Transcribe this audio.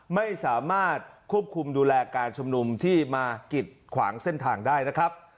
ไม่สามารถควบคุมดูแลการชุมนุมที่มากิดขวางเส้นทางได้นะครับ